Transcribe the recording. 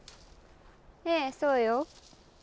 ええそうよ。